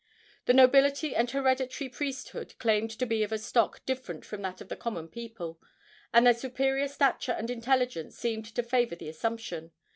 The nobility and hereditary priesthood claimed to be of a stock different from that of the common people, and their superior stature and intelligence seemed to favor the assumption.